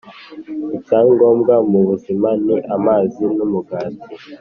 Icya ngombwa mu buzima, ni amazi n’umugati,